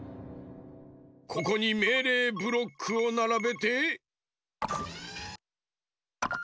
ここにめいれいブロックをならべて。